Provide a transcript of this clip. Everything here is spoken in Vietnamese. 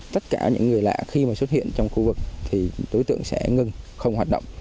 tất cả những người lạ khi mà xuất hiện trong khu vực thì đối tượng sẽ ngừng không hoạt động